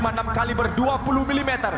gunakan m lima puluh enam kaliber dua puluh mm